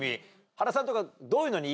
原さんとか。